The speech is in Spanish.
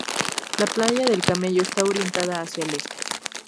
La playa del Camello está orientada hacia el este.